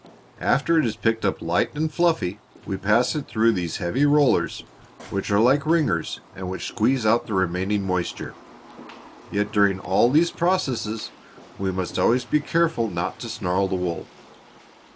After it is picked up light and fluffy we pass it through these heavy rollers, which are like wringers and which squeeze out the remaining moisture. Yet during all these processes we must always be careful not to snarl the wool.